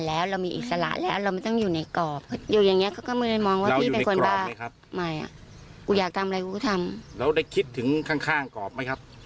แล้วได้คิดถึงข้างกรอบไหมครับ